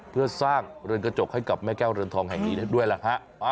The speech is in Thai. เพื่อสร้างเรือนกระจกให้กับแม่แก้วเรือนทองแห่งนี้ด้วยล่ะฮะ